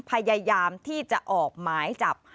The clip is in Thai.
พยายามที่จะออกหมายจับ